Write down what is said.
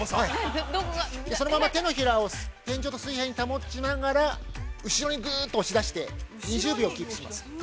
そのまま手のひらを天井と水平に保ちながら後ろにぐっと押し出して２０秒キープします。